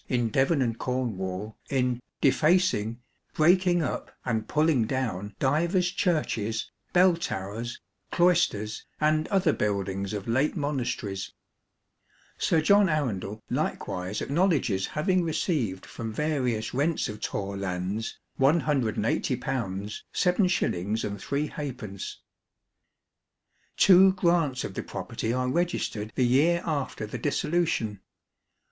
in Devon and Cornwall in " defacing, breaking up and pulling down divers churches, bell towers, cloisters and other buildings of late monasteries." Sir John Arundel likewise acknowledges having received from various rents of Torre lands £180 7s. ijd. Two grants of the property are registered the year after the Dissolution.